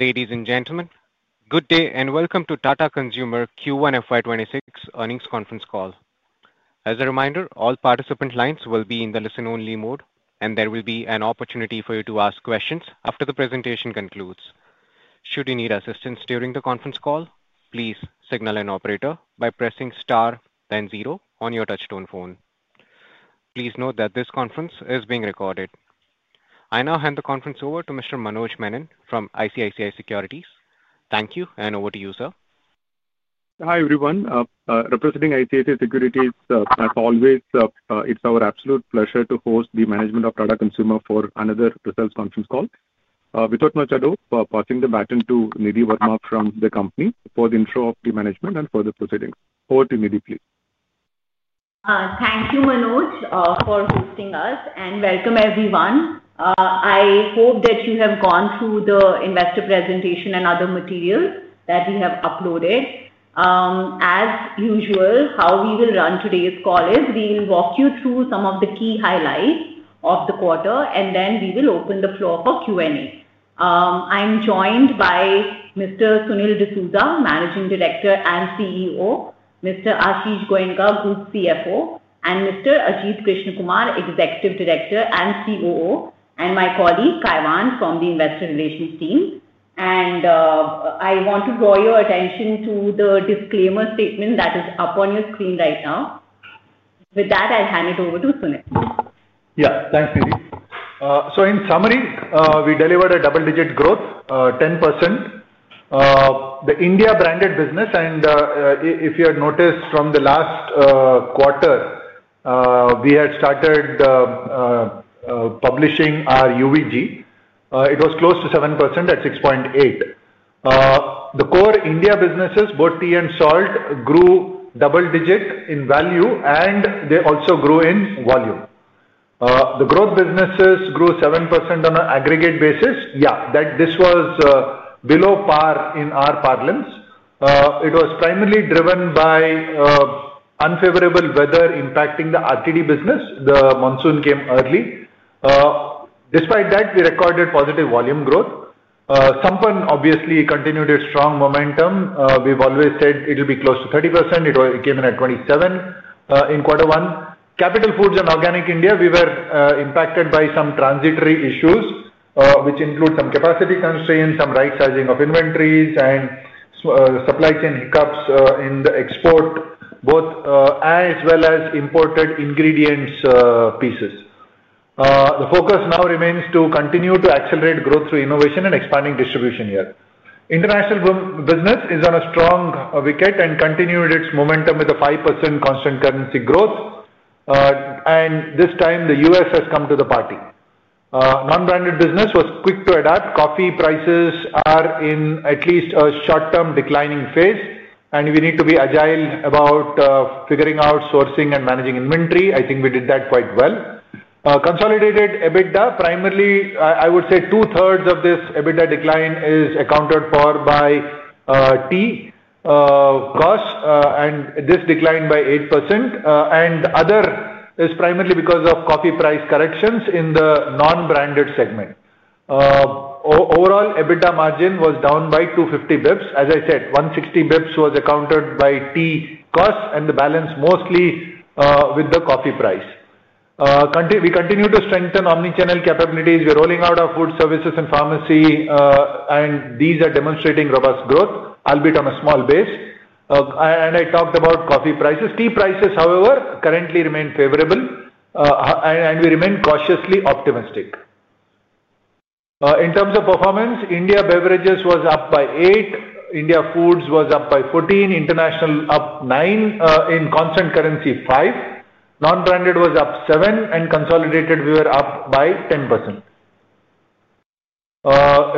Ladies and gentlemen, good day and welcome to Tata Consumer Q1 FY26 earnings conference call. As a reminder, all participant lines will be in the listen-only mode, and there will be an opportunity for you to ask questions after the presentation concludes. Should you need assistance during the conference call, please signal an operator by pressing star then zero on your touchstone phone. Please note that this conference is being recorded. I now hand the conference over to Mr. Manoj Menon from ICICI Securities. Thank you, and over to you, sir. Hi everyone. Representing ICICI Securities, as always, it's our absolute pleasure to host the management of Tata Consumer for another sales conference call. Without much ado, passing the baton to Nidhi Verma from the company for the intro of the management and further proceedings. Over to Nidhi, please. Thank you, Manoj, for hosting us, and welcome everyone. I hope that you have gone through the investor presentation and other materials that we have uploaded. As usual, how we will run today's call is we will walk you through some of the key highlights of the quarter, and then we will open the floor for Q&A. I'm joined by Mr. Sunil D’Souza, Managing Director and CEO, Mr. Ashish Goenka, Group CFO, and Mr. Ajit Krishnakumar, Executive Director and COO, and my colleague Kaiwan from the investor relations team. I want to draw your attention to the disclaimer statement that is up on your screen right now. With that, I'll hand it over to Sunil. Yeah, thanks, Nidhi. In summary, we delivered a double-digit growth, 10%. The India-branded business, and if you had noticed from the last quarter, we had started publishing our UVG, it was close to 7% at 6.8. The core India businesses, both tea and salt, grew double-digit in value, and they also grew in volume. The growth businesses grew 7% on an aggregate basis. This was below par in our parlance. It was primarily driven by unfavorable weather impacting the RTD business. The monsoon came early. Despite that, we recorded positive volume growth. Sampann, obviously, continued its strong momentum. We have always said it will be close to 30%. It came in at 27 in quarter one. Capital Foods and Organic India, we were impacted by some transitory issues, which include some capacity constraints, some right-sizing of inventories, and supply chain hiccups in the export, both as well as imported ingredients pieces. The focus now remains to continue to accelerate growth through innovation and expanding distribution here. International business is on a strong wicket and continued its momentum with a 5% constant currency growth. This time, the U.S. has come to the party. Non-branded business was quick to adapt. Coffee prices are in at least a short-term declining phase, and we need to be agile about figuring out sourcing and managing inventory. I think we did that quite well. Consolidated EBITDA, primarily, I would say two-thirds of this EBITDA decline is accounted for by tea cost, and this declined by 8%. The other is primarily because of coffee price corrections in the non-branded segment. Overall, EBITDA margin was down by 250 basis points. As I said, 160 basis points was accounted by tea cost and the balance mostly with the coffee price. We continue to strengthen omnichannel capabilities. We are rolling out our food services and pharmacy, and these are demonstrating robust growth, albeit on a small base. I talked about coffee prices. Tea prices, however, currently remain favorable. We remain cautiously optimistic. In terms of performance, India beverages was up by 8. India Foods was up by 14. International up 9. In constant currency, 5. Non-branded was up 7. Consolidated, we were up by 10%.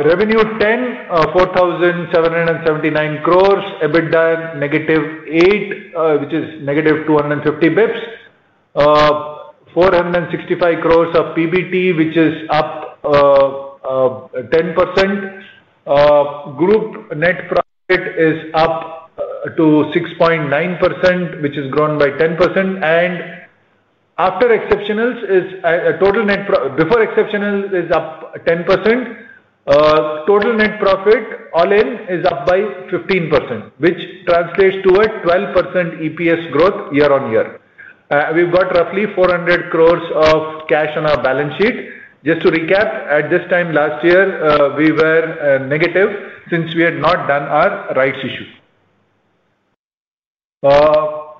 Revenue 10, 4,779 crore. EBITDA negative 8, which is negative 250 basis points. 465 crore of PBT, which is up 10%. Group net profit is up to 6.9%, which is grown by 10%. After exceptionals, total net before exceptionals is up 10%. Total net profit all in is up by 15%, which translates to a 12% EPS growth year on year. We have got roughly 400 crore of cash on our balance sheet. Just to recap, at this time last year, we were negative since we had not done our rights issue.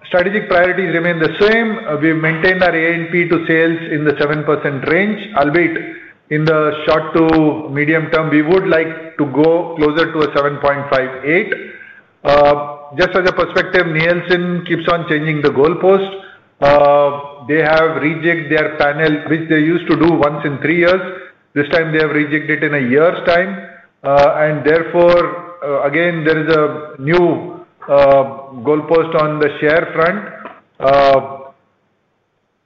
Strategic priorities remain the same. We maintained our A&P to sales in the 7% range, albeit in the short to medium term, we would like to go closer to a %7.5-8. Just as a perspective, Nielsen keeps on changing the goal post. They have rejigged their panel, which they used to do once in three years. This time, they have rejigged it in a year's time. Therefore, again, there is a new goal post on the share front.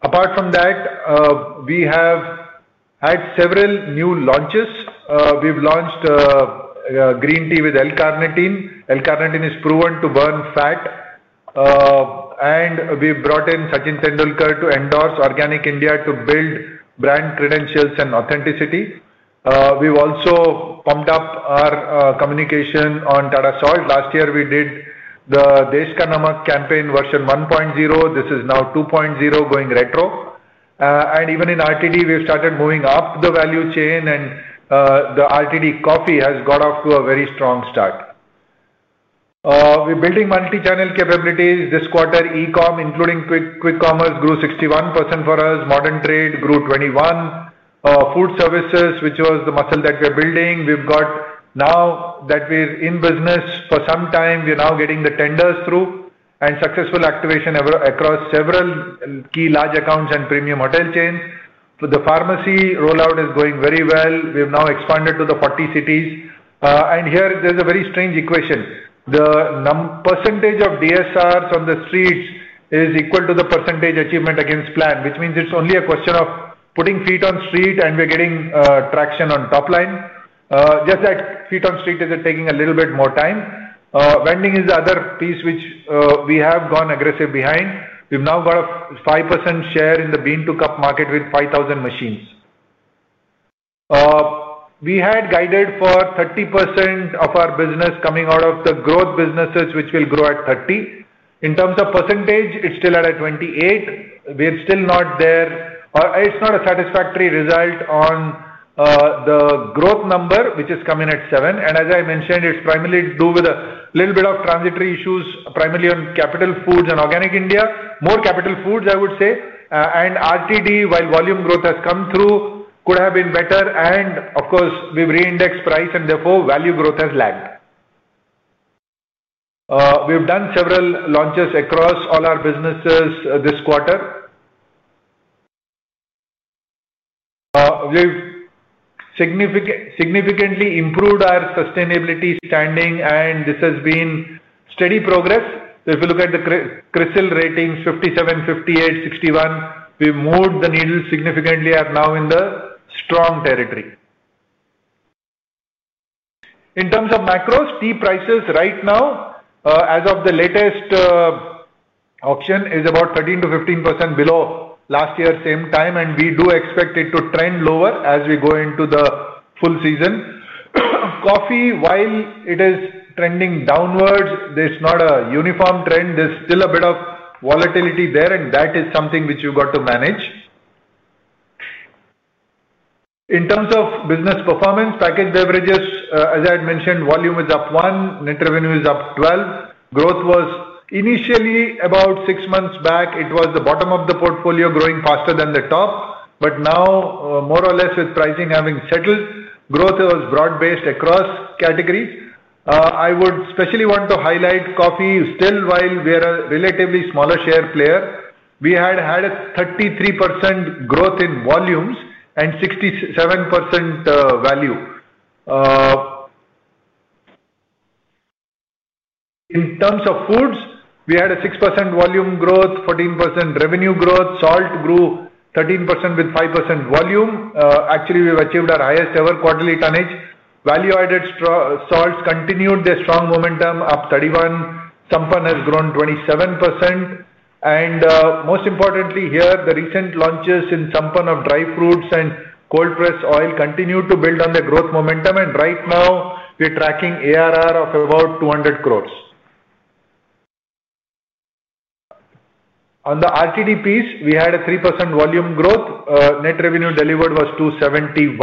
Apart from that, we have had several new launches. We've launched green tea with L-carnitine. L-carnitine is proven to burn fat. We've brought in Sachin Tendulkar to endorse Organic India to build brand credentials and authenticity. We've also pumped up our communication on Tata Salt. Last year, we did the Deshka Namak campaign version 1.0. This is now 2.0, going retro. Even in RTD, we have started moving up the value chain, and the RTD coffee has got off to a very strong start. We're building multi-channel capabilities. ` Modern Trade grew 21%. Food services, which was the muscle that we're building, we've got now that we're in business for some time, we're now getting the tenders through and successful activation across several key large accounts and premium hotel chains. The pharmacy rollout is going very well. We have now expanded to the 40 cities. Here, there's a very strange equation. The percentage of DSRs on the streets is equal to the percentage achievement against plan, which means it's only a question of putting feet on the street, and we're getting traction on top line. Just that feet on the street is taking a little bit more time. Vending is the other piece which we have gone aggressive behind. We've now got a 5% share in the bean-to-cup market with 5,000 machines. We had guided for 30% of our business coming out of the growth businesses, which will grow at 30. In terms of percentage, it's still at 28. We're still not there. It's not a satisfactory result on the growth number, which is coming at 7. As I mentioned, it's primarily due to a little bit of transitory issues, primarily on Capital Foods and Organic India, more Capital Foods, I would say. RTD, while volume growth has come through, could have been better. Of course, we've re-indexed price, and therefore, value growth has lagged. We've done several launches across all our businesses this quarter. We've significantly improved our sustainability standing, and this has been steady progress. If you look at the CRISIL ratings, 57, 58, 61, we've moved the needle significantly. We are now in the strong territory. In terms of macros, tea prices right now, as of the latest auction, are about 13-15% below last year's same time, and we do expect it to trend lower as we go into the full season. Coffee, while it is trending downwards, there's not a uniform trend. There's still a bit of volatility there, and that is something which we've got to manage. In terms of business performance, packaged beverages, as I had mentioned, volume is up 1. Net revenue is up 12. Growth was initially about six months back. It was the bottom of the portfolio, growing faster than the top. Now, more or less, with pricing having settled, growth was broad-based across categories. I would especially want to highlight coffee. Still, while we are a relatively smaller share player, we had had a 33% growth in volumes and 67% value. In terms of foods, we had a 6% volume growth, 14% revenue growth. Salt grew 13% with 5% volume. Actually, we've achieved our highest-ever quarterly tonnage. Value-added salts continued their strong momentum up 31. Sampann has grown 27%. Most importantly here, the recent launches in Sampann of dry fruits and cold-pressed oil continue to build on the growth momentum. Right now, we're tracking ARR of about 200 crores. On the RTD piece, we had a 3% volume growth. Net revenue delivered was 271.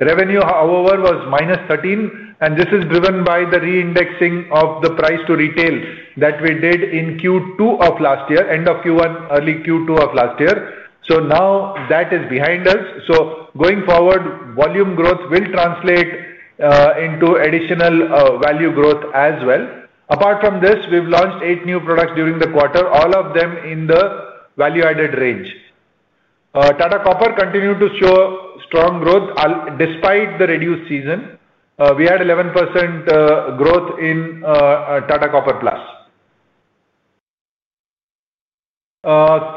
Revenue, however, was minus 13. This is driven by the re-indexing of the price to retail that we did in Q2 of last year, end of Q1, early Q2 of last year. Now that is behind us. Going forward, volume growth will translate into additional value growth as well. Apart from this, we've launched eight new products during the quarter, all of them in the value-added range. Tata Copper Plus continued to show strong growth despite the reduced season. We had 11% growth in Tata Copper Plus.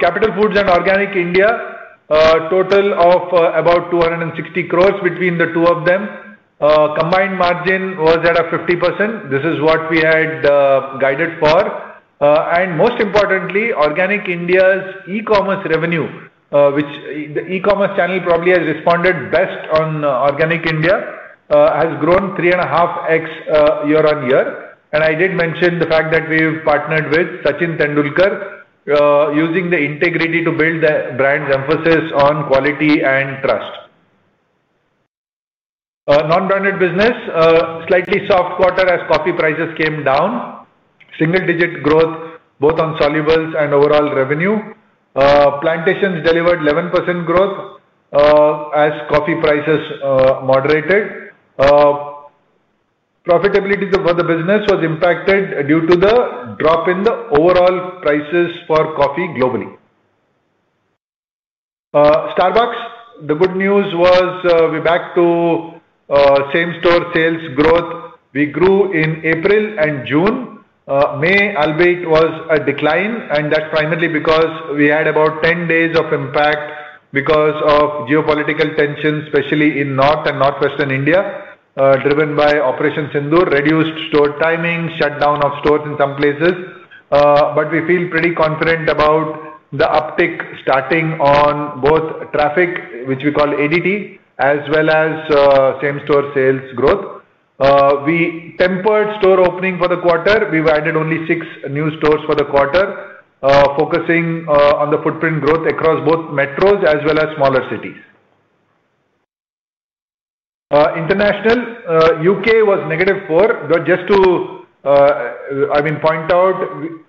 Capital Foods and Organic India, total of about 260 crores between the two of them. Combined margin was at 50%. This is what we had guided for. Most importantly, Organic India's e-commerce revenue, which the e-commerce channel probably has responded best on Organic India, has grown 3.5x year on year. I did mention the fact that we've partnered with Sachin Tendulkar. Using the integrity to build the brand's emphasis on quality and trust. Non-branded business, slightly soft quarter as coffee prices came down. Single-digit growth both on solubles and overall revenue. Plantations delivered 11% growth. As coffee prices moderated. Profitability for the business was impacted due to the drop in the overall prices for coffee globally. Starbucks, the good news was we're back to same-store sales growth. We grew in April and June. May, albeit was a decline, and that's primarily because we had about 10 days of impact because of geopolitical tensions, especially in North and Northwestern India, driven by Operation Sindhur, reduced store timing, shutdown of stores in some places. We feel pretty confident about the uptick starting on both traffic, which we call ADT, as well as same-store sales growth. We tempered store opening for the quarter. We've added only six new stores for the quarter, focusing on the footprint growth across both metros as well as smaller cities. International, U.K. was negative 4. Just to. I mean, point out,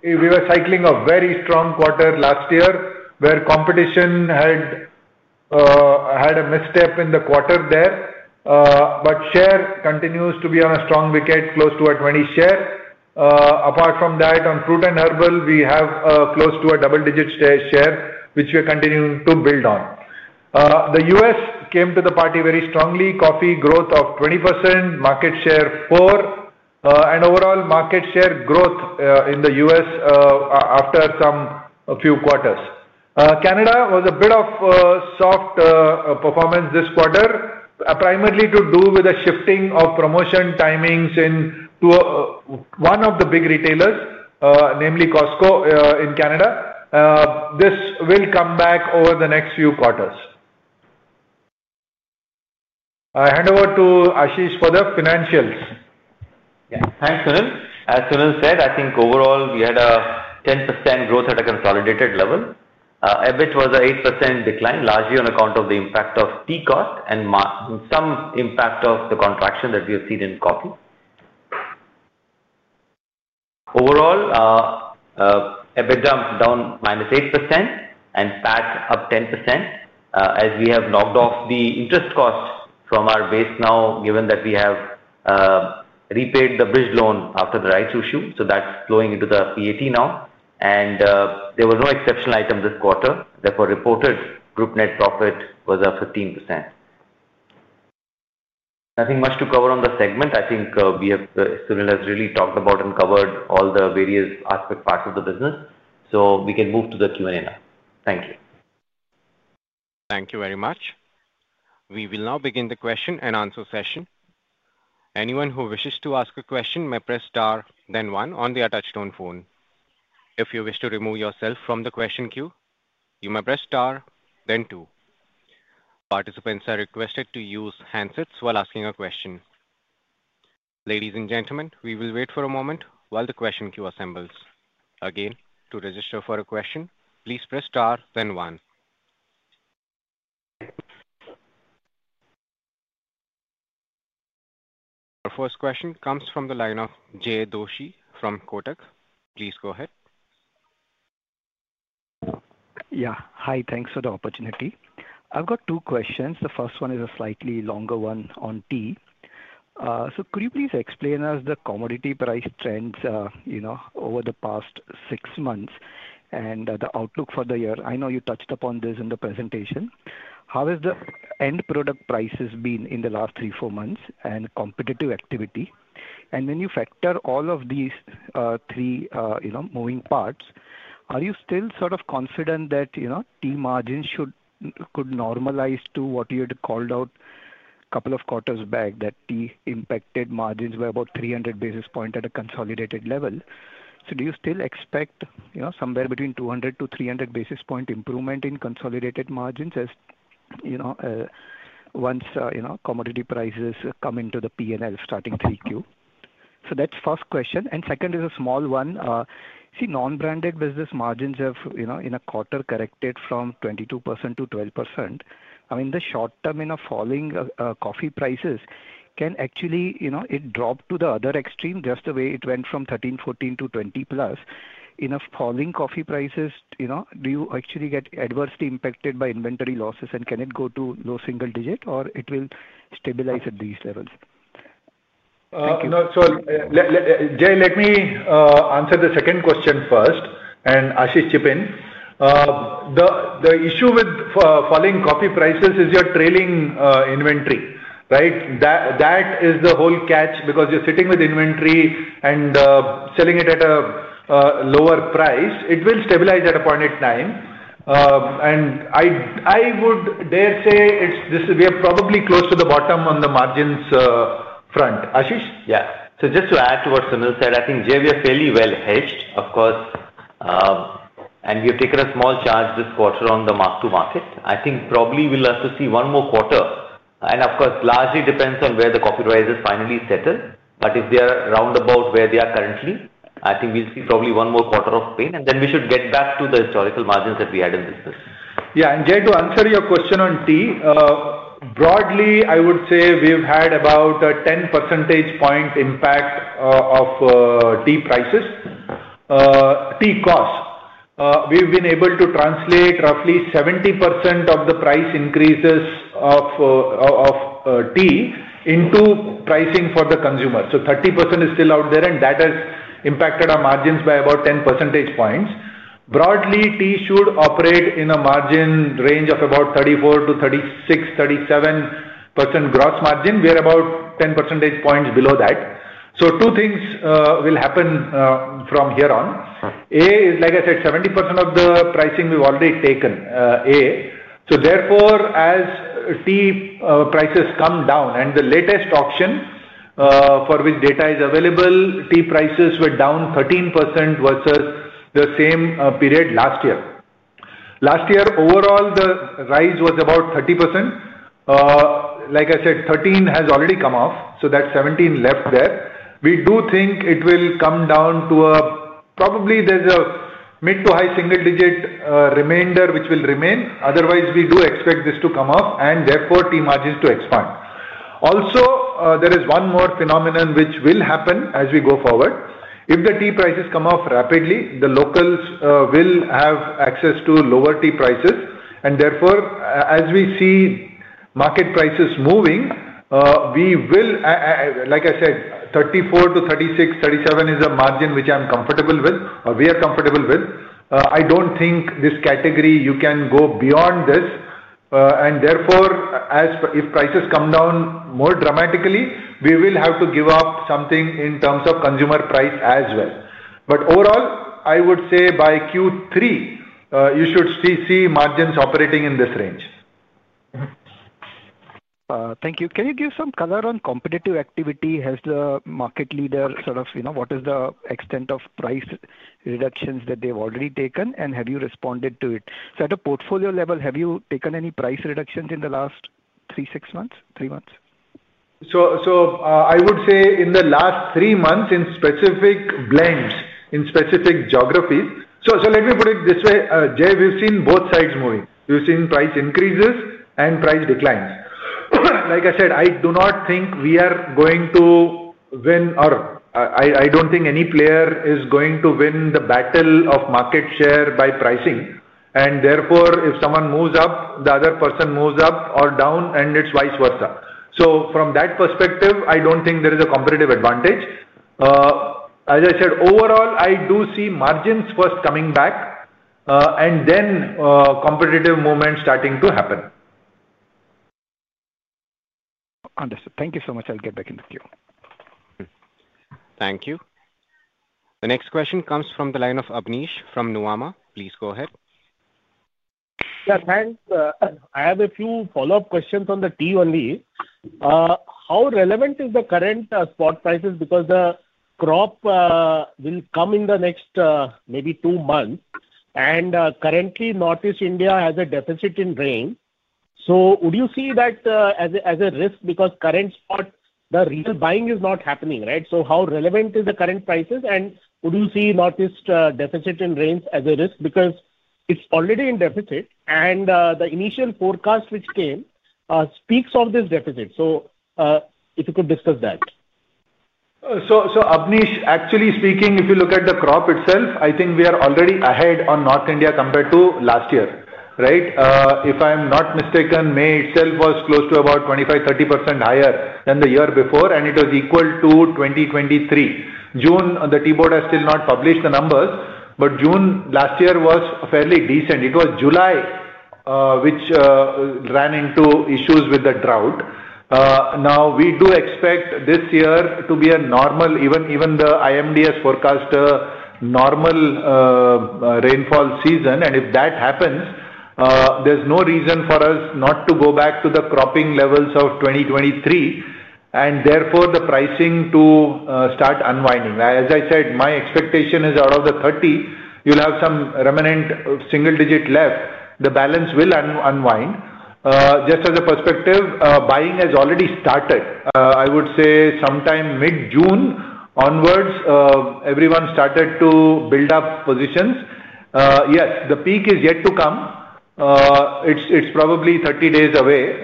we were cycling a very strong quarter last year where competition had a misstep in the quarter there. But share continues to be on a strong wicket, close to a 20 share. Apart from that, on fruit and herbal, we have close to a double-digit share, which we are continuing to build on. The US came to the party very strongly. Coffee growth of 20%, market share 4. And overall market share growth in the US after a few quarters. Canada was a bit of a soft performance this quarter, primarily to do with a shifting of promotion timings in one of the big retailers, namely Costco in Canada. This will come back over the next few quarters. I hand over to Ashish for the financials. Yeah, thanks, Sunil. As Sunil said, I think overall we had a 10% growth at a consolidated level. EBIT was an 8% decline, largely on account of the impact of tea cost and some impact of the contraction that we have seen in coffee. Overall, EBITDA down minus 8% and PAT up 10% as we have logged off the interest cost from our base now, given that we have repaid the bridge loan after the rights issue. So that's flowing into the PAT now. And there were no exceptional items this quarter. Therefore, reported group net profit was 15%. Nothing much to cover on the segment. I think Sunil has really talked about and covered all the various aspect parts of the business. So we can move to the Q&A now. Thank you. Thank you very much. We will now begin the question and answer session. Anyone who wishes to ask a question may press star then one on the touchstone phone. If you wish to remove yourself from the question queue, you may press star then two. Participants are requested to use handsets while asking a question. Ladies and gentlemen, we will wait for a moment while the question queue assembles. Again, to register for a question, please press star then one. Our first question comes from the line of Jay Doshi from Kotak. Please go ahead. Yeah, hi. Thanks for the opportunity. I've got two questions. The first one is a slightly longer one on tea. So could you please explain to us the commodity price trends over the past six months and the outlook for the year? I know you touched upon this in the presentation. How has the end product prices been in the last three, four months and competitive activity? And when you factor all of these three moving parts, are you still sort of confident that tea margins could normalize to what you had called out a couple of quarters back, that tea impacted margins by about 300 basis points at a consolidated level? So do you still expect somewhere between 200 to 300 basis point improvement in consolidated margins as once commodity prices come into the P&L starting three Q? That's the first question. The second is a small one. See, non-branded business margins have in a quarter corrected from 22% to 12%. I mean, the short term in a falling coffee prices can actually, it dropped to the other extreme just the way it went from 13, 14 to 20 plus. In a falling coffee prices, do you actually get adversely impacted by inventory losses, and can it go to low single digit, or will it stabilize at these levels? Thank you. Jay, let me answer the second question first and Ashish, chip in. The issue with falling coffee prices is your trailing inventory, right? That is the whole catch because you're sitting with inventory and selling it at a lower price. It will stabilize at a point in time. I would dare say we are probably close to the bottom on the margins front. Ashish? Yeah. Just to add to what Sunil said, I think, Jay, we are fairly well hedged, of course. We have taken a small charge this quarter on the mark-to-market. I think probably we'll have to see one more quarter. Of course, it largely depends on where the coffee prices finally settle. If they are roundabout where they are currently, I think we'll see probably one more quarter of pain. Then we should get back to the historical margins that we had in this business. Yeah. Jay, to answer your question on tea. Broadly, I would say we've had about a 10 percentage point impact of tea prices, tea cost. We've been able to translate roughly 70% of the price increases of tea into pricing for the consumer. So 30% is still out there, and that has impacted our margins by about 10 percentage points. Broadly, tea should operate in a margin range of about 34-36, 37% gross margin. We are about 10 percentage points below that. Two things will happen from here on. A is, like I said, 70% of the pricing we've already taken. So therefore, as tea prices come down and the latest auction for which data is available, tea prices were down 13% versus the same period last year. Last year, overall, the rise was about 30%. Like I said, 13 has already come off, so that's 17 left there. We do think it will come down to a probably, there's a mid to high single-digit remainder which will remain. Otherwise, we do expect this to come off, and therefore, tea margins to expand. Also, there is one more phenomenon which will happen as we go forward. If the tea prices come off rapidly, the locals will have access to lower tea prices. Therefore, as we see market prices moving, we will, like I said, 34-36, 37 is a margin which I'm comfortable with or we are comfortable with. I don't think this category, you can go beyond this. Therefore, if prices come down more dramatically, we will have to give up something in terms of consumer price as well. Overall, I would say by Q3, you should see margins operating in this range. Thank you. Can you give some color on competitive activity? Has the market leader, what is the extent of price reductions that they have already taken, and have you responded to it? At a portfolio level, have you taken any price reductions in the last three, six months, three months? I would say in the last three months in specific blends, in specific geographies. Let me put it this way, Jay, we have seen both sides moving. We have seen price increases and price declines. Like I said, I do not think we are going to win or I do not think any player is going to win the battle of market share by pricing. Therefore, if someone moves up, the other person moves up or down, and it is vice versa. From that perspective, I do not think there is a competitive advantage. As I said, overall, I do see margins first coming back and then competitive movement starting to happen. Understood. Thank you so much. I will get back into the queue. Thank you. The next question comes from the line of Abneesh from Nuvama. Please go ahead. Yeah, thanks. I have a few follow-up questions on the tea only. How relevant is the current spot prices? Because the crop will come in the next maybe two months. Currently, Northeast India has a deficit in rain. Would you see that as a risk? Because current spot, the real buying is not happening, right? How relevant is the current prices? Would you see Northeast deficit in rains as a risk? Because it is already in deficit, and the initial forecast which came speaks of this deficit. If you could discuss that. Abneesh, actually speaking, if you look at the crop itself, I think we are already ahead on North India compared to last year, right? If I am not mistaken, May itself was close to about 25-30% higher than the year before, and it was equal to 2023. June, the tea board has still not published the numbers, but June last year was fairly decent. It was July which ran into issues with the drought. We do expect this year to be a normal, even the IMD has forecast a normal rainfall season. If that happens, there is no reason for us not to go back to the cropping levels of 2023, and therefore the pricing to start unwinding. As I said, my expectation is out of the 30, you will have some remanent single digit left. The balance will unwind. Just as a perspective, buying has already started. I would say sometime mid-June onwards, everyone started to build up positions. Yes, the peak is yet to come. It's probably 30 days away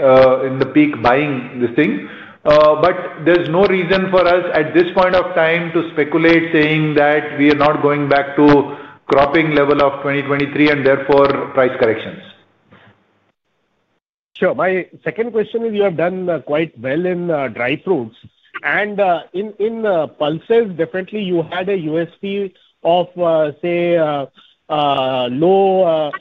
in the peak buying, this thing. But there's no reason for us at this point of time to speculate saying that we are not going back to cropping level of 2023 and therefore price corrections. Sure. My second question is you have done quite well in dry fruits. And in pulses, definitely you had a USP of, say, low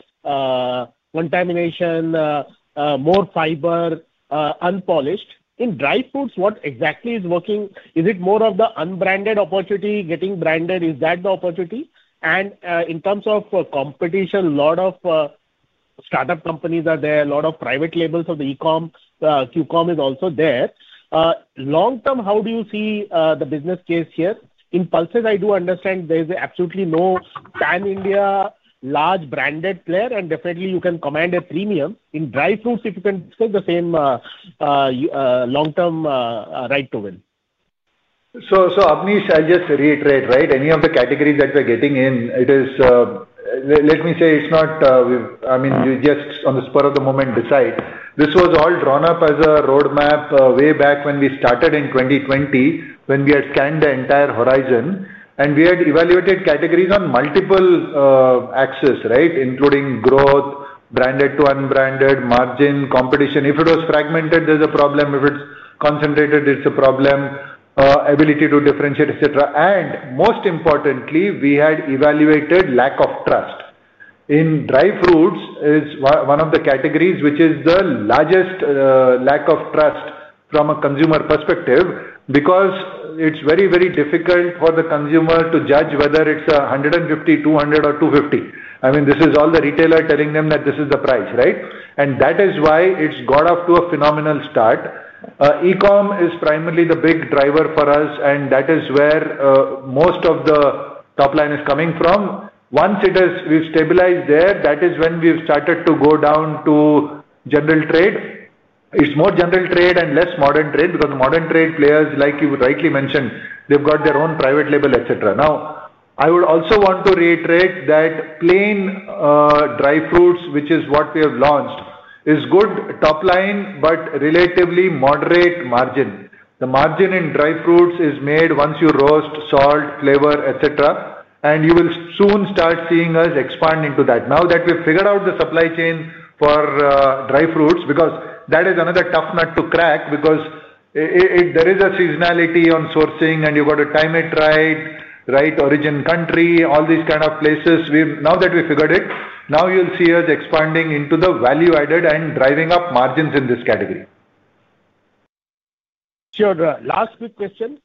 contamination, more fiber, unpolished. In dry fruits, what exactly is working? Is it more of the unbranded opportunity getting branded? Is that the opportunity? And in terms of competition, a lot of startup companies are there, a lot of private labels of the e-comm, Q-comm is also there. Long term, how do you see the business case here? In pulses, I do understand there's absolutely no Pan-India large branded player, and definitely you can command a premium. In dry fruits, if you can say the same. Long-term right to win. So Abneesh, I'll just reiterate, right? Any of the categories that we're getting in, it is, let me say, it's not, I mean, you just on the spur of the moment decide. This was all drawn up as a roadmap way back when we started in 2020 when we had scanned the entire horizon. And we had evaluated categories on multiple axes, right, including growth, branded to unbranded, margin, competition. If it was fragmented, there's a problem. If it's concentrated, it's a problem. Ability to differentiate, etc. And most importantly, we had evaluated lack of trust. In dry fruits, it's one of the categories which is the largest lack of trust from a consumer perspective because it's very, very difficult for the consumer to judge whether it's 150, 200, or 250. I mean, this is all the retailer telling them that this is the price, right? And that is why it's got off to a phenomenal start. E-comm is primarily the big driver for us, and that is where most of the top line is coming from. Once we've stabilized there, that is when we've started to go down to general trade. It's more general trade and less modern trade because the modern trade players, like you rightly mentioned, they've got their own private label, etc. Now, I would also want to reiterate that plain dry fruits, which is what we have launched, is good top line, but relatively moderate margin. The margin in dry fruits is made once you roast, salt, flavor, etc. And you will soon start seeing us expand into that. Now that we've figured out the supply chain for dry fruits, because that is another tough nut to crack, because there is a seasonality on sourcing, and you've got to time it right, right origin country, all these kind of places. Now that we've figured it, now you'll see us expanding into the value added and driving up margins in this category. Sure. Last quick question.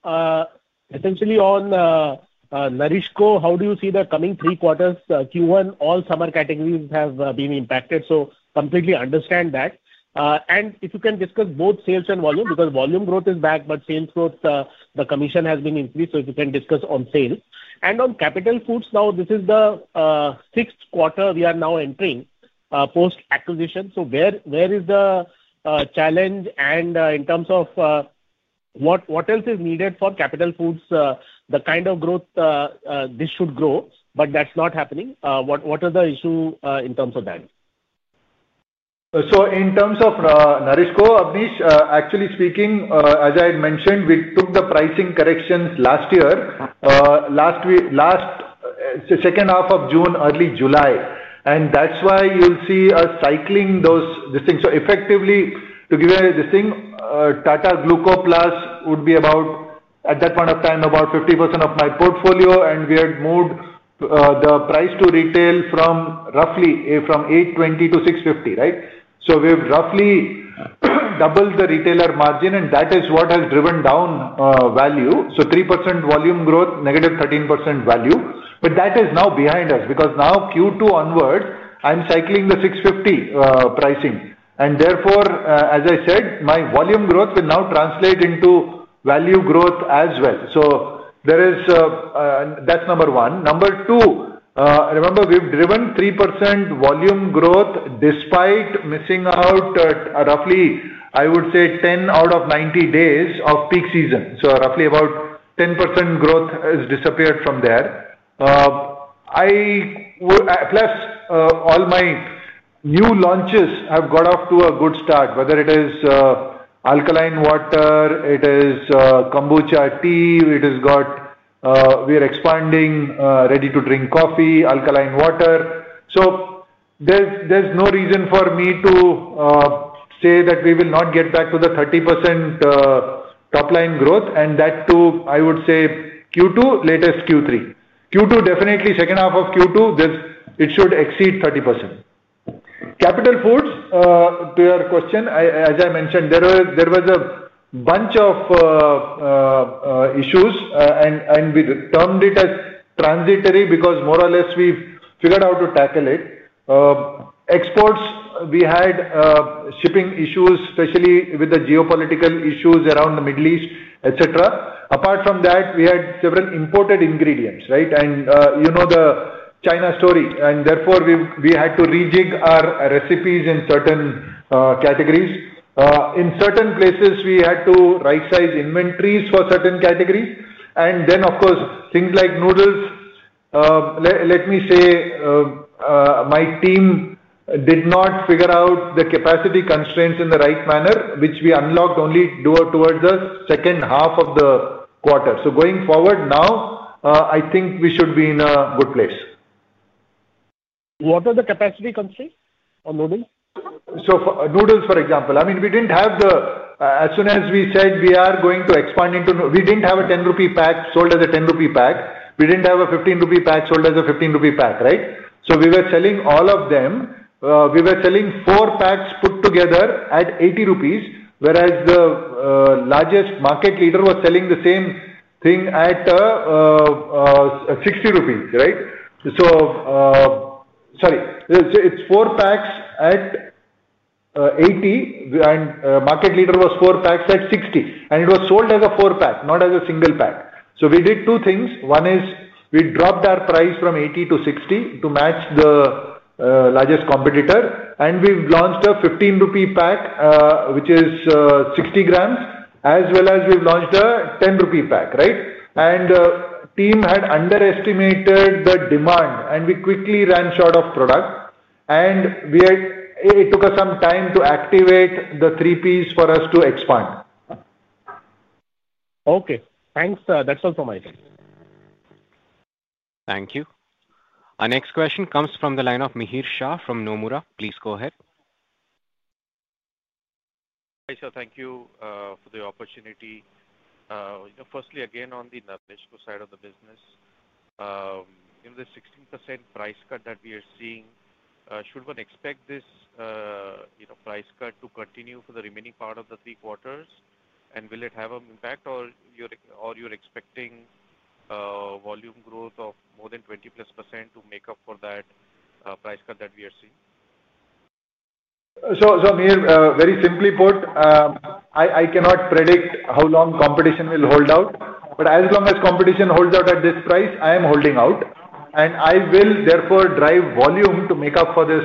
Essentially on Nourishco, how do you see the coming three quarters? Q1, all summer categories have been impacted, so completely understand that. If you can discuss both sales and volume, because volume growth is back, but sales growth, the commission has been increased, so if you can discuss on sales. On Capital Foods, now this is the sixth quarter we are now entering post-acquisition. Where is the challenge? In terms of what else is needed for Capital Foods, the kind of growth. This should grow, but that's not happening. What are the issues in terms of that? In terms of Nourishco, Abneesh, actually speaking, as I had mentioned, we took the pricing corrections last year. Last second half of June, early July. That's why you'll see us cycling this thing. Effectively, to give you this thing, Tata Gluco Plus would be about, at that point of time, about 50% of my portfolio, and we had moved the price to retail from roughly 820 to 650, right? We have roughly doubled the retailer margin, and that is what has driven down value. So 3% volume growth, negative 13% value. That is now behind us because now Q2 onwards, I'm cycling the 650 pricing. Therefore, as I said, my volume growth will now translate into value growth as well. That's number one. Number two, remember we've driven 3% volume growth despite missing out roughly, I would say, 10 out of 90 days of peak season. Roughly about 10% growth has disappeared from there. Plus, all my new launches have got off to a good start, whether it is alkaline water, it is kombucha tea, it has got. We are expanding ready-to-drink coffee, alkaline water. There's no reason for me to say that we will not get back to the 30% top line growth. That too, I would say Q2, latest Q3. Q2, definitely second half of Q2, it should exceed 30%. Capital Foods, to your question, as I mentioned, there was a bunch of issues, and we termed it as transitory because more or less we figured out how to tackle it. Exports, we had shipping issues, especially with the geopolitical issues around the Middle East, etc. Apart from that, we had several imported ingredients, right? You know the China story, and therefore we had to rejig our recipes in certain categories. In certain places, we had to right-size inventories for certain categories. Then, of course, things like noodles. Let me say, my team did not figure out the capacity constraints in the right manner, which we unlocked only towards the second half of the quarter. Going forward now, I think we should be in a good place. What are the capacity constraints on noodles? Noodles, for example, I mean, we didn't have the, as soon as we said we are going to expand into noodles, we didn't have a 10 rupee pack sold as a 10 rupee pack. We did not have a ₹15 pack sold as a ₹15 pack, right? We were selling all of them. We were selling four packs put together at 80 rupees, whereas the largest market leader was selling the same thing at 60 rupees, right? Sorry, it is four packs at 80, and market leader was four packs at 60. It was sold as a four pack, not as a single pack. We did two things. One is we dropped our price from 80 to 60 to match the largest competitor. We have launched a 15 rupee pack, which is 60 grams, as well as we have launched a 10 rupee pack, right? The team had underestimated the demand, and we quickly ran short of product. It took us some time to activate the three P's for us to expand. Okay. Thanks. That is all from my side. Thank you. Our next question comes from the line of Mihir Shah from Nomura. Please go ahead. Hi, sir. Thank you for the opportunity. Firstly, again, on the Nourishco side of the business. The 16% price cut that we are seeing, should one expect this price cut to continue for the remaining part of the three quarters? Will it have an impact, or are you expecting volume growth of more than 20% plus to make up for that price cut that we are seeing? Mihir, very simply put, I cannot predict how long competition will hold out. As long as competition holds out at this price, I am holding out. I will, therefore, drive volume to make up for this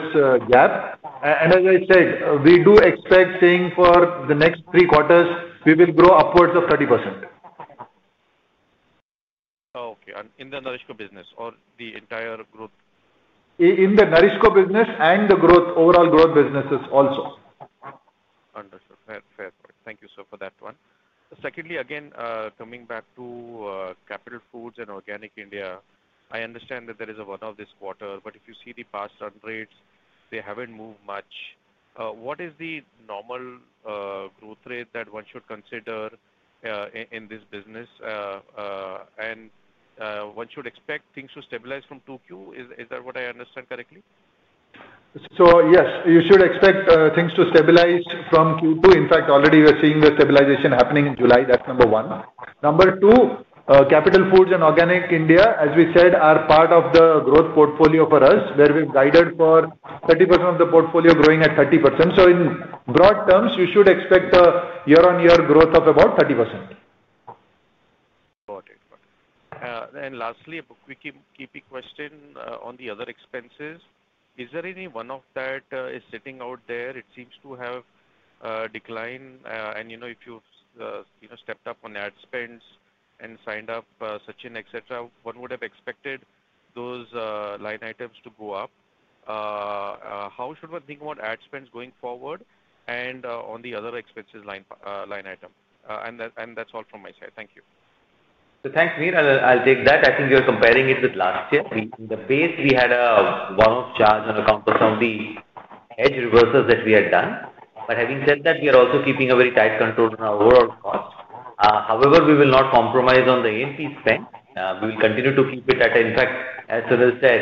gap. As I said, we do expect seeing for the next three quarters, we will grow upwards of 30%. Okay. In the Narishko business or the entire growth? In the Narishko business and the overall growth businesses also. Understood. Fair point. Thank you, sir, for that one. Secondly, again, coming back to Capital Foods and Organic India, I understand that there is a one-off this quarter, but if you see the past run rates, they have not moved much. What is the normal growth rate that one should consider in this business? Should one expect things to stabilize from Q2? Is that what I understand correctly? Yes, you should expect things to stabilize from Q2. In fact, already we are seeing the stabilization happening in July. That is number one. Number two, Capital Foods and Organic India, as we said, are part of the growth portfolio for us, where we have guided for 30% of the portfolio growing at 30%. In broad terms, you should expect a year-on-year growth of about 30%. Got it. Lastly, a quick keepy question on the other expenses. Is there any one-off that is sitting out there? It seems to have declined. If you have stepped up on ad spends and signed up such and etc., one would have expected those line items to go up. How should one think about ad spends going forward and on the other expenses line item? And that's all from my side. Thank you. Thanks, Mihir. I'll take that. I think you're comparing it with last year. In the base, we had a one-off charge on account of some of the edge reversals that we had done. Having said that, we are also keeping a very tight control on our overall cost. However, we will not compromise on the A&P spend. We will continue to keep it at, in fact, as Sunil said,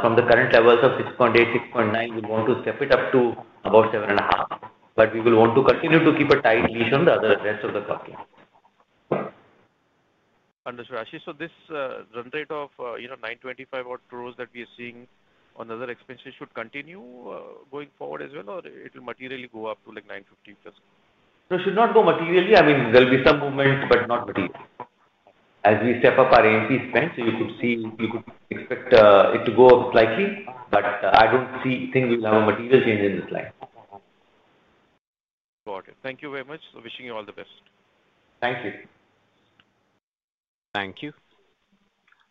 from the current levels of 6.8, 6.9, we want to step it up to about 7.5. We will want to continue to keep a tight leash on the rest of the cost. Understood, Ashish. This run rate of 925 crore or close that we are seeing on other expenses should continue going forward as well, or it will materially go up to like 950 crore plus? It should not go materially. I mean, there'll be some movement, but not materially. As we step up our A&P spend, you could expect it to go up slightly, but I don't think we'll have a material change in this line. Got it. Thank you very much. Wishing you all the best. Thank you. Thank you.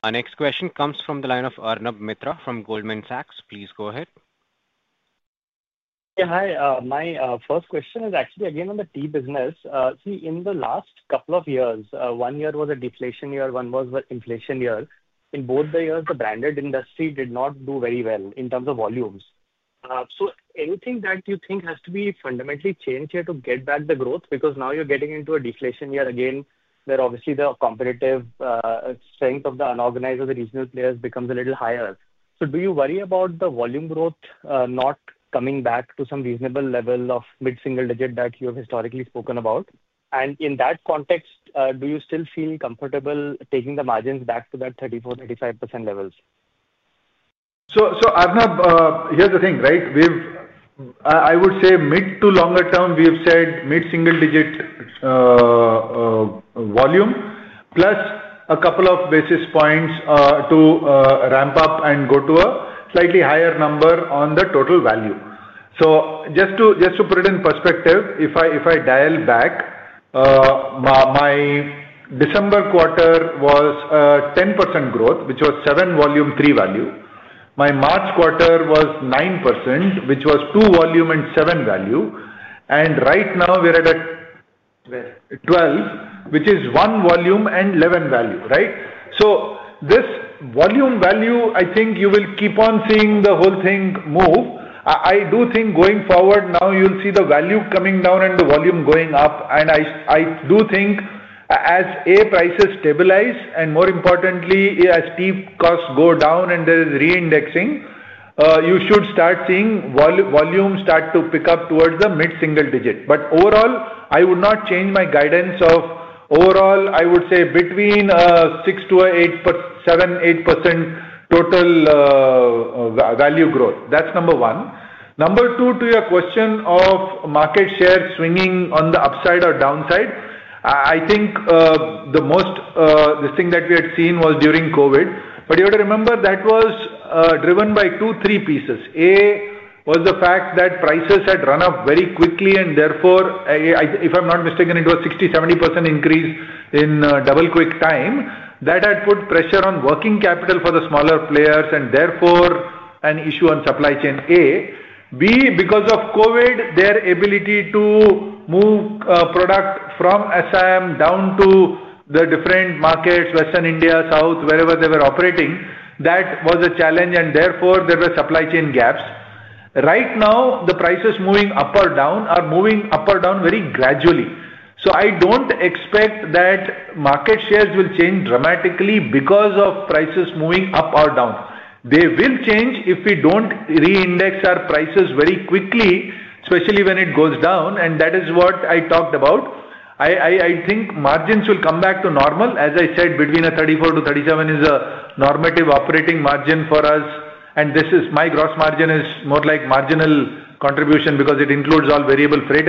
Our next question comes from the line of Arnab Mitra from Goldman Sachs. Please go ahead. Yeah, hi. My first question is actually again on the tea business. See, in the last couple of years, one year was a deflation year, one was an inflation year. In both the years, the branded industry did not do very well in terms of volumes. Anything that you think has to be fundamentally changed here to get back the growth? Because now you're getting into a deflation year again where obviously the competitive strength of the unorganized or the regional players becomes a little higher. Do you worry about the volume growth not coming back to some reasonable level of mid-single digit that you have historically spoken about? In that context, do you still feel comfortable taking the margins back to that 34-35% levels? Arnab, here's the thing, right? I would say mid to longer term, we have said mid-single digit volume plus a couple of basis points to ramp up and go to a slightly higher number on the total value. Just to put it in perspective, if I dial back. My December quarter was 10% growth, which was 7 volume, 3 value. My March quarter was 9%, which was 2 volume and 7 value. Right now, we're at 12, which is 1 volume and 11 value, right? This volume value, I think you will keep on seeing the whole thing move. I do think going forward now, you'll see the value coming down and the volume going up. I do think. As A prices stabilize and more importantly, as tea costs go down and there is reindexing, you should start seeing volume start to pick up towards the mid-single digit. Overall, I would not change my guidance of overall, I would say between a 7-8% total value growth. That's number one. Number two, to your question of market share swinging on the upside or downside, I think the most, this thing that we had seen was during COVID. You have to remember that was driven by two, three pieces. A was the fact that prices had run up very quickly, and therefore, if I'm not mistaken, it was 60-70% increase in double-quick time. That had put pressure on working capital for the smaller players, and therefore an issue on supply chain. B, because of COVID, their ability to move product from SIM down to the different markets, Western India, South, wherever they were operating, that was a challenge, and therefore there were supply chain gaps. Right now, the prices moving up or down are moving up or down very gradually. I don't expect that market shares will change dramatically because of prices moving up or down. They will change if we don't reindex our prices very quickly, especially when it goes down, and that is what I talked about. I think margins will come back to normal. As I said, between a 34-37 is a normative operating margin for us. This is my gross margin is more like marginal contribution because it includes all variable freight,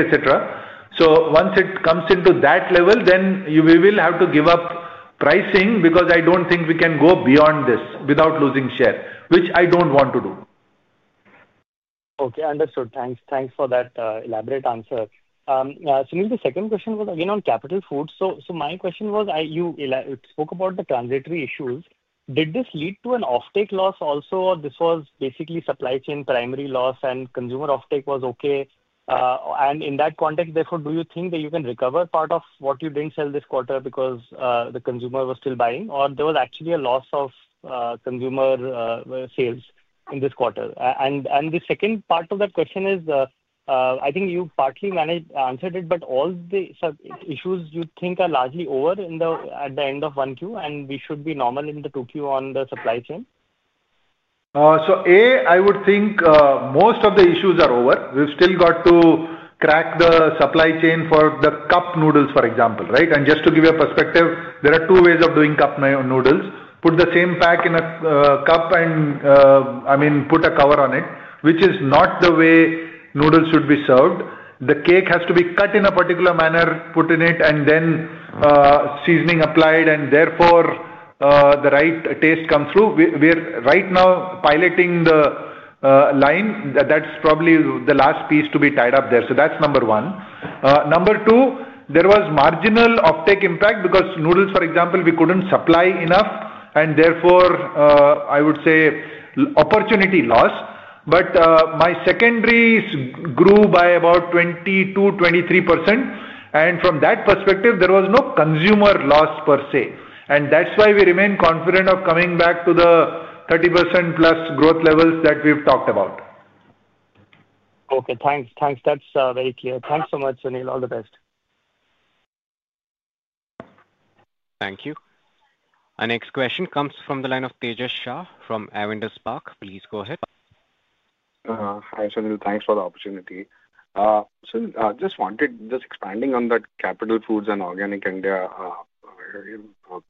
etc. Once it comes into that level, then we will have to give up pricing because I don't think we can go beyond this without losing share, which I don't want to do. Okay. Understood. Thanks for that elaborate answer. Sunil, the second question was again on Capital Foods. My question was, you spoke about the transitory issues. Did this lead to an offtake loss also, or this was basically supply chain primary loss and consumer offtake was okay? In that context, therefore, do you think that you can recover part of what you didn't sell this quarter because the consumer was still buying, or there was actually a loss of consumer sales in this quarter? The second part of that question is, I think you partly answered it, but all the issues you think are largely over at the end of 1Q, and we should be normal in the 2Q on the supply chain? A, I would think most of the issues are over. We've still got to crack the supply chain for the cup noodles, for example, right? Just to give you a perspective, there are two ways of doing cup noodles. Put the same pack in a cup and, I mean, put a cover on it, which is not the way noodles should be served. The cake has to be cut in a particular manner, put in it, and then seasoning applied, and therefore the right taste comes through. We're right now piloting the line. That's probably the last piece to be tied up there. That's number one. Number two, there was marginal offtake impact because noodles, for example, we couldn't supply enough, and therefore, I would say opportunity loss. My secondary grew by about 22-23%. From that perspective, there was no consumer loss per se. That's why we remain confident of coming back to the 30%+ growth levels that we've talked about. Okay. Thanks. Thanks. That's very clear. Thanks so much, Sunil. All the best. Thank you. Our next question comes from the line of Tejas Shah from Avendus Park. Please go ahead. Hi, Sunil. Thanks for the opportunity. Sunil, just expanding on that Capital Foods and Organic India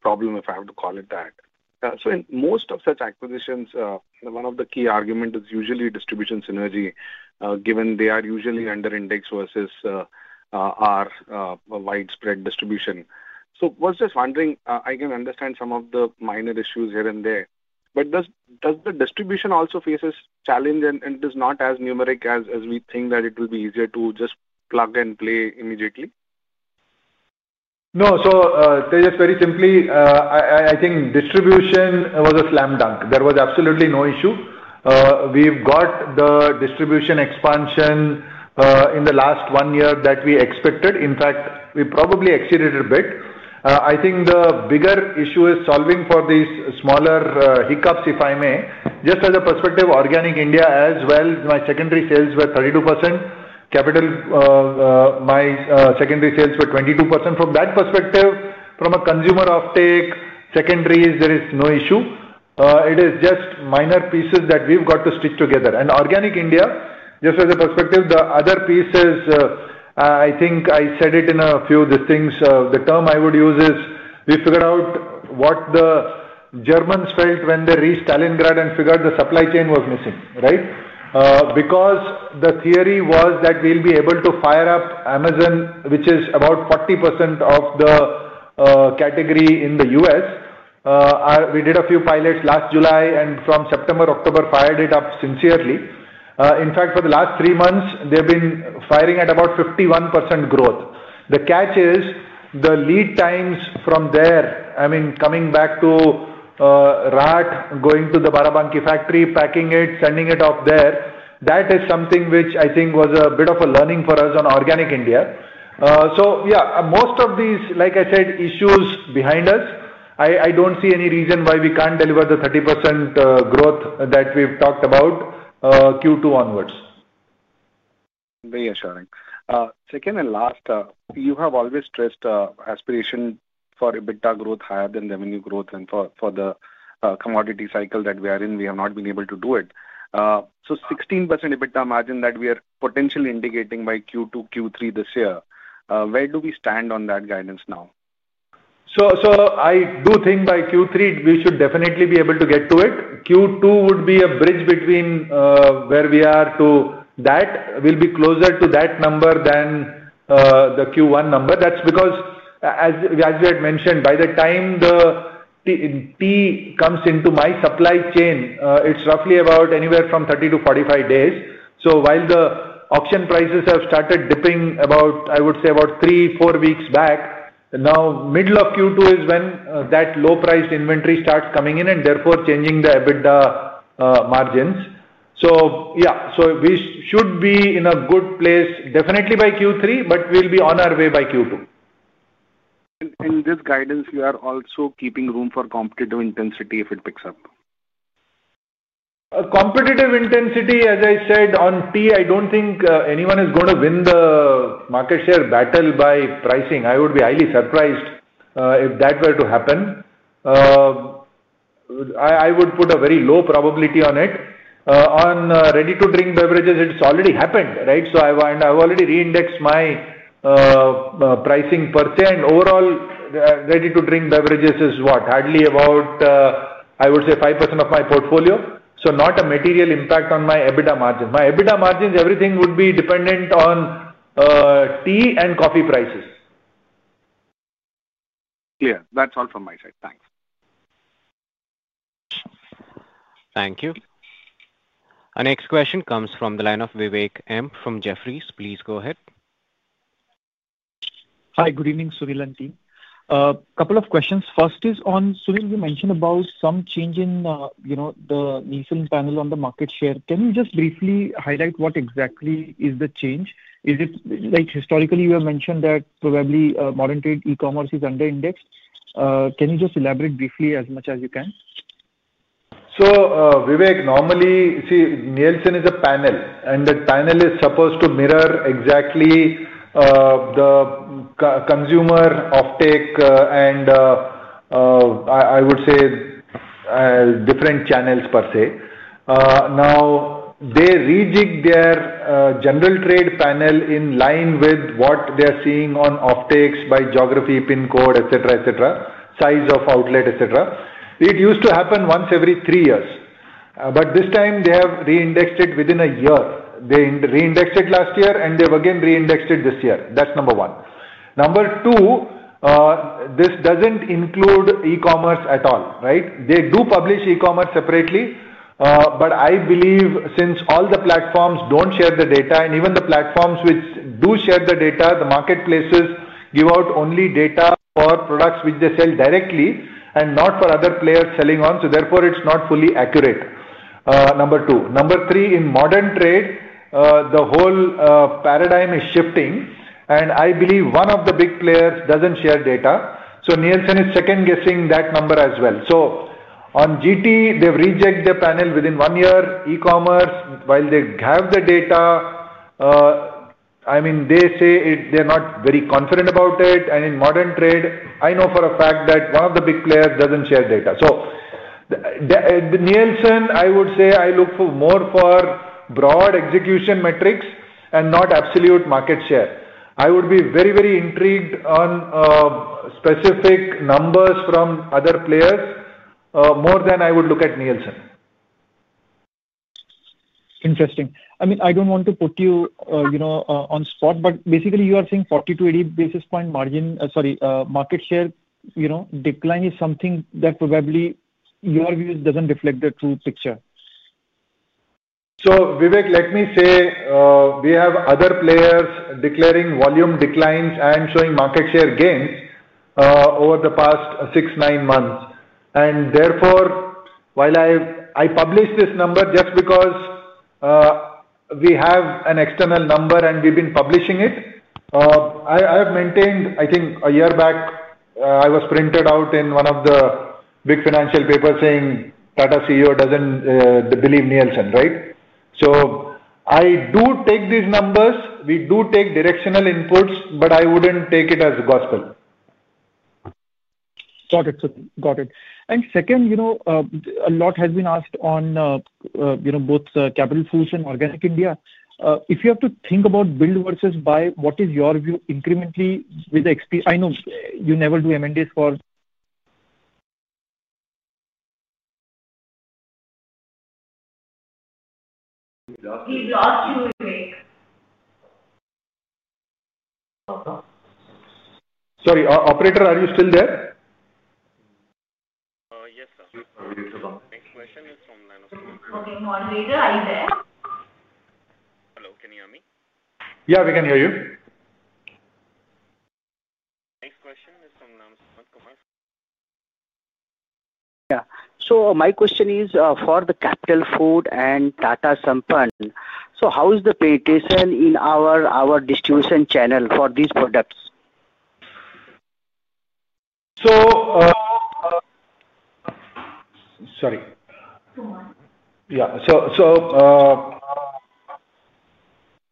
problem, if I have to call it that. In most of such acquisitions, one of the key arguments is usually distribution synergy, given they are usually under-indexed versus our widespread distribution. I was just wondering, I can understand some of the minor issues here and there, but does the distribution also face a challenge and is not as numeric as we think that it will be easier to just plug and play immediately? No, so Tejas, very simply, I think distribution was a slam dunk. There was absolutely no issue. We've got the distribution expansion in the last one year that we expected. In fact, we probably exceeded it a bit. I think the bigger issue is solving for these smaller hiccups, if I may. Just as a perspective, Organic India as well, my secondary sales were 32%. Capital, my secondary sales were 22%. From that perspective, from a consumer offtake, secondaries, there is no issue. It is just minor pieces that we've got to stitch together. Organic India, just as a perspective, the other piece is, I think I said it in a few of these things, the term I would use is we figured out what the Germans felt when they reached Stalingrad and figured the supply chain was missing, right? Because the theory was that we'll be able to fire up Amazon, which is about 40% of the category in the US. We did a few pilots last July and from September, October fired it up sincerely. In fact, for the last three months, they've been firing at about 51% growth. The catch is the lead times from there, I mean, coming back to RAT, going to the Barabanki factory, packing it, sending it up there, that is something which I think was a bit of a learning for us on Organic India. Most of these, like I said, issues behind us. I don't see any reason why we can't deliver the 30% growth that we've talked about Q2 onwards. Very assuring. Second and last, you have always stressed aspiration for EBITDA growth higher than revenue growth, and for the commodity cycle that we are in, we have not been able to do it. So 16% EBITDA margin that we are potentially indicating by Q2, Q3 this year, where do we stand on that guidance now? I do think by Q3, we should definitely be able to get to it. Q2 would be a bridge between where we are to that. We will be closer to that number than the Q1 number. That is because, as we had mentioned, by the time the tea comes into my supply chain, it is roughly about anywhere from 30-45 days. While the auction prices have started dipping about, I would say, about three, four weeks back, now middle of Q2 is when that low-priced inventory starts coming in and therefore changing the EBITDA margins. We should be in a good place, definitely by Q3, but we will be on our way by Q2. In this guidance, you are also keeping room for competitive intensity if it picks up? Competitive intensity, as I said, on tea, I do not think anyone is going to win the market share battle by pricing. I would be highly surprised if that were to happen. I would put a very low probability on it. On ready-to-drink beverages, it has already happened, right? I have already reindexed my pricing per se, and overall, ready-to-drink beverages is what? Hardly about, I would say, 5% of my portfolio. Not a material impact on my EBITDA margin. My EBITDA margin, everything would be dependent on tea and coffee prices. Clear. That is all from my side. Thanks. Thank you. Our next question comes from the line of Vivek M from Jefferies. Please go ahead. Hi, good evening, Sunil and team. A couple of questions. First is on, Sunil, you mentioned about some change in the Nielsen panel on the market share. Can you just briefly highlight what exactly is the change? Historically, you have mentioned that probably modern-trade e-commerce is under indexed. Can you just elaborate briefly as much as you can? Vivek, normally, see, Nielsen is a panel, and that panel is supposed to mirror exactly the consumer offtake and, I would say, different channels per se. Now, they rejig their general trade panel in line with what they are seeing on offtakes by geography, PIN code, etc., size of outlet, etc. It used to happen once every three years. This time, they have reindexed it within a year. They reindexed it last year, and they have again reindexed it this year. That is number one. Number two, this does not include e-commerce at all, right? They do publish e-commerce separately, but I believe since all the platforms do not share the data, and even the platforms which do share the data, the marketplaces give out only data for products which they sell directly and not for other players selling on. Therefore, it's not fully accurate. Number two. Number three, in modern trade, the whole paradigm is shifting, and I believe one of the big players doesn't share data. Nielsen is second-guessing that number as well. On GT, they've rejected the panel within one year. E-commerce, while they have the data, I mean, they say they're not very confident about it. In modern trade, I know for a fact that one of the big players doesn't share data. Nielsen, I would say I look more for broad execution metrics and not absolute market share. I would be very, very intrigued on specific numbers from other players more than I would look at Nielsen. Interesting. I mean, I don't want to put you on spot, but basically, you are saying 40-80 basis point margin, sorry, market share decline is something that probably your views doesn't reflect the true picture. Vivek, let me say, we have other players declaring volume declines and showing market share gains over the past six-nine months. Therefore, while I publish this number just because we have an external number and we've been publishing it, I have maintained, I think a year back, I was printed out in one of the big financial papers saying Tata CEO doesn't believe Nielsen, right? I do take these numbers. We do take directional inputs, but I wouldn't take it as gospel. Got it. Got it. Second, a lot has been asked on both Capital Foods and Organic India. If you have to think about build versus buy, what is your view incrementally with the I know you never do M&As for. Sorry, operator, are you still there? Yes, sir. Next question is from. Moderator, are you there? Hello. Can you hear me? Yeah, we can hear you. Next question is from. Yeah. My question is for the Capital Foods and Tata Sampann. How is the pay table in our distribution channel for these products? Sorry.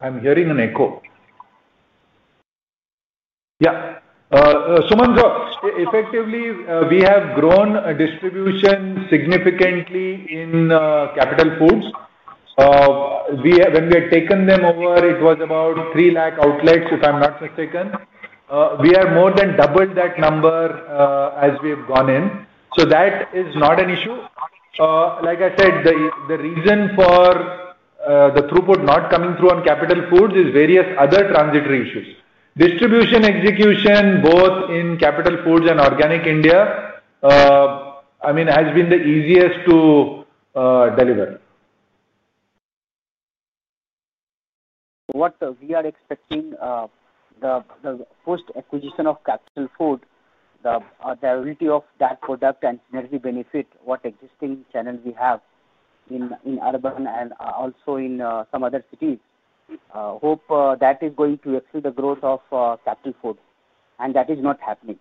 I'm hearing an echo. Suman Jha, effectively, we have grown distribution significantly in Capital Foods. When we had taken them over, it was about 300,000 outlets, if I'm not mistaken. We have more than doubled that number as we have gone in. That is not an issue. Like I said, the reason for the throughput not coming through on Capital Foods is various other transitory issues. Distribution execution, both in Capital Foods and Organic India, I mean, has been the easiest to deliver. what we are expecting. The post-acquisition of Capital Foods, the durability of that product and synergy benefit, what existing channel we have in urban and also in some other cities, hope that is going to exceed the growth of Capital Foods. That is not happening.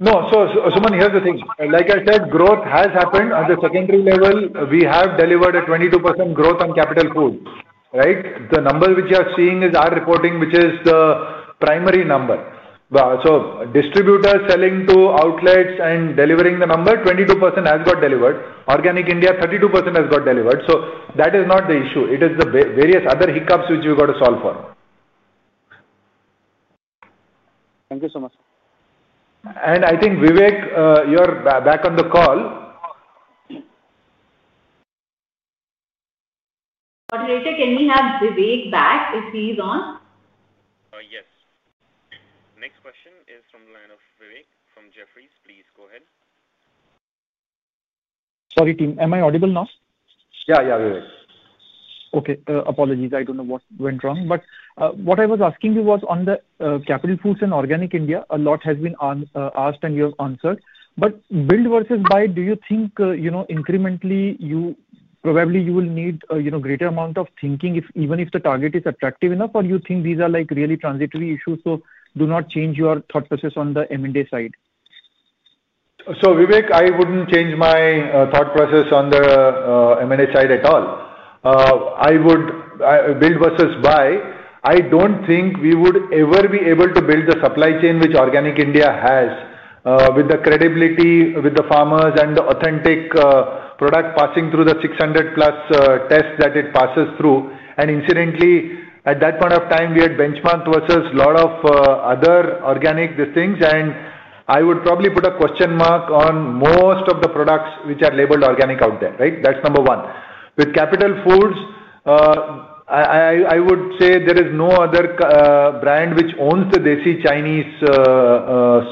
No, so many other things. Like I said, growth has happened on the secondary level. We have delivered a 22% growth on Capital Foods, right? The number which you are seeing is our reporting, which is the primary number. So distributors selling to outlets and delivering the number, 22% has got delivered. Organic India, 32% has got delivered. That is not the issue. It is the various other hiccups which we've got to solve for. Thank you so much. I think, Vivek, you're back on the call. Moderator, can we have Vivek back if he's on? Yes. Next question is from the line of Vivek from Jefferies. Please go ahead. `Sorry, team. Am I audible now? Yeah, yeah, Vivek. Okay. Apologies. I don't know what went wrong. What I was asking you was on the Capital Foods and Organic India, a lot has been asked and you have answered. Build versus buy, do you think incrementally, probably you will need a greater amount of thinking even if the target is attractive enough, or do you think these are really transitory issues? Do not change your thought process on the M&A side. Vivek, I wouldn't change my thought process on the M&A side at all. Build versus buy, I don't think we would ever be able to build the supply chain which Organic India has with the credibility with the farmers and the authentic product passing through the 600-plus tests that it passes through. Incidentally, at that point of time, we had benchmarked versus a lot of other organic things, and I would probably put a question mark on most of the products which are labeled organic out there, right? That's number one. With Capital Foods, I would say there is no other brand which owns the desi Chinese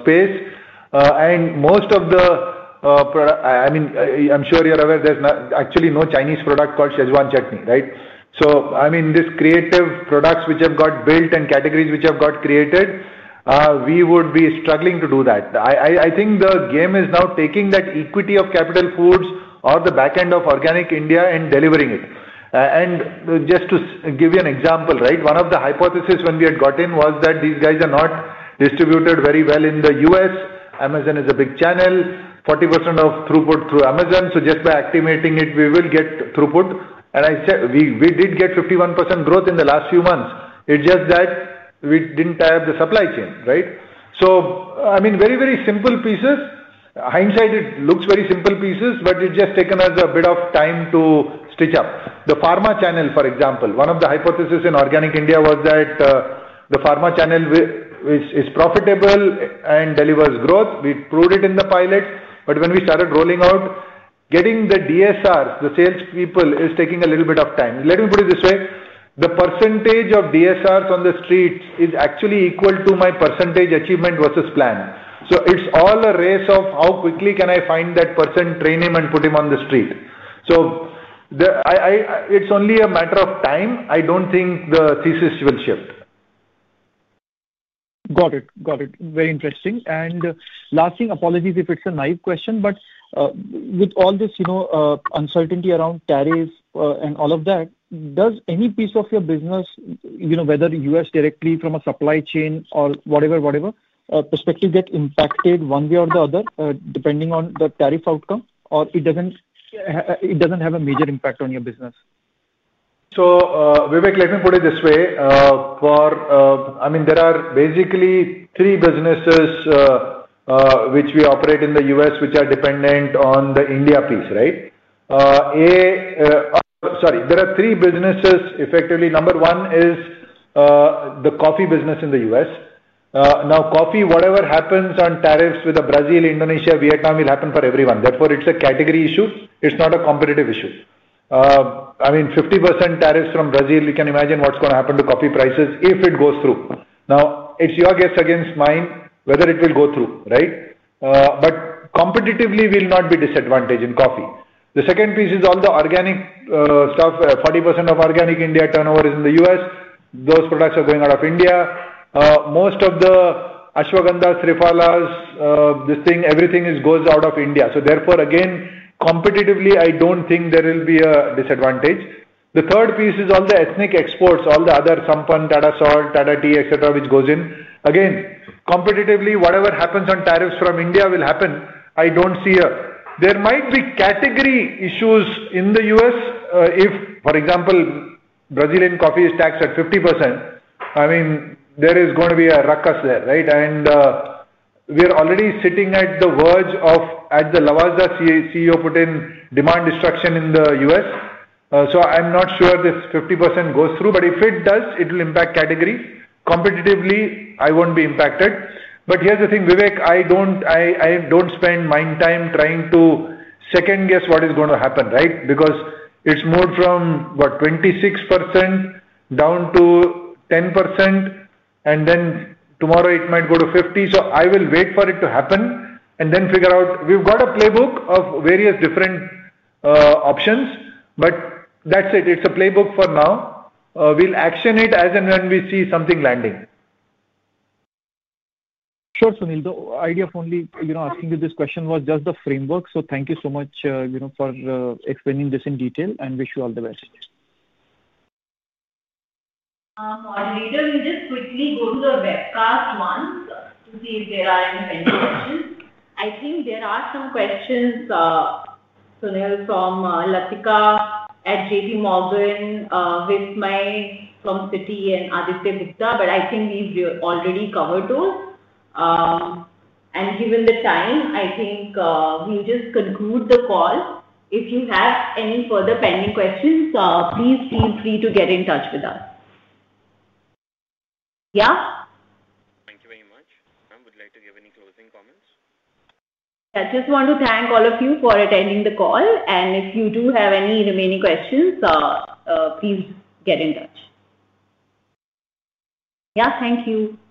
space. I mean, I'm sure you're aware, there's actually no Chinese product called Shezwan Chutney, right? These creative products which have got built and categories which have got created, we would be struggling to do that. I think the game is now taking that equity of Capital Foods or the back end of Organic India and delivering it. Just to give you an example, right? One of the hypotheses when we had got in was that these guys are not distributed very well in the US. Amazon is a big channel, 40% of throughput through Amazon. Just by activating it, we will get throughput. We did get 51% growth in the last few months. It's just that we didn't have the supply chain, right? Very, very simple pieces. Hindsight, it looks very simple pieces, but it's just taken us a bit of time to stitch up. The pharma channel, for example, one of the hypotheses in Organic India was that the pharma channel is profitable and delivers growth. We proved it in the pilot. When we started rolling out, getting the DSRs, the salespeople, is taking a little bit of time. Let me put it this way. The percentage of DSRs on the streets is actually equal to my percentage achievement versus plan. So it's all a race of how quickly can I find that person, train him, and put him on the street. It's only a matter of time. I don't think the thesis will shift. Got it. Got it. Very interesting. And last thing, apologies if it's a naive question, but with all this uncertainty around tariffs and all of that, does any piece of your business, whether U.S. directly from a supply chain or whatever, whatever, perspective get impacted one way or the other depending on the tariff outcome, or it doesn't have a major impact on your business? So Vivek, let me put it this way. I mean, there are basically three businesses which we operate in the U.S. which are dependent on the India piece, right? Sorry, there are three businesses. Effectively, number one is the coffee business in the U.S. Now, coffee, whatever happens on tariffs with Brazil, Indonesia, Vietnam, will happen for everyone. Therefore, it's a category issue. It's not a competitive issue. I mean, 50% tariffs from Brazil, you can imagine what's going to happen to coffee prices if it goes through. Now, it's your guess against mine whether it will go through, right? But competitively will not be disadvantaged in coffee. The second piece is all the organic stuff. 40% of Organic India turnover is in the U.S. Those products are going out of India. Most of the Ashwagandhas, Trifalas, this thing, everything goes out of India. So therefore, again, competitively, I don't think there will be a disadvantage. The third piece is all the ethnic exports, all the other Sampann, Tata Salt, Tata Tea, etc., which goes in. Again, competitively, whatever happens on tariffs from India will happen. I don't see a there might be category issues in the U.S. If, for example, Brazilian coffee is taxed at 50%, I mean, there is going to be a ruckus there, right? We are already sitting at the verge of, at the Lavazza CEO put in, demand destruction in the U.S. I'm not sure this 50% goes through. If it does, it will impact categories. Competitively, I won't be impacted. Here's the thing, Vivek, I don't spend my time trying to second-guess what is going to happen, right? Because it's moved from, what, 26% down to 10%. Then tomorrow it might go to 50. I will wait for it to happen and then figure out. We've got a playbook of various different options, but that's it. It's a playbook for now. We'll action it as and when we see something landing. Sure, Sunil. The idea of only asking you this question was just the framework. Thank you so much for explaining this in detail and wish you all the best. Moderator, we just quickly go to the webcast once to see if there are any pending questions. I think there are some questions. Sunil from Lathika at JPMorgan with my from Citi and Aditya Gupta. I think we've already covered those. Given the time, I think we'll just conclude the call. If you have any further pending questions, please feel free to get in touch with us. Yeah? Thank you very much. I would like to give any closing comments. Yeah, just want to thank all of you for attending the call. If you do have any remaining questions, please get in touch. Yeah, thank you. Thank you very much.